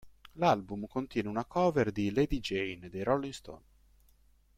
L'album contiene una cover di "Lady Jane" dei Rolling Stones.